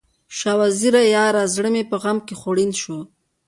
شاه وزیره یاره، زړه مې په غم خوړین شو